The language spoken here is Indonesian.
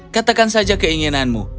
katakan saja keinginanmu